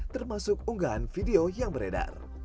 termasuk unggahan video yang beredar